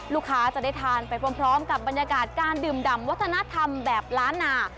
ลูกค้าจะได้ทานไปพร้อมกับบรรยากาศการดื่มดำวัฒนธรรมแบบล้านนา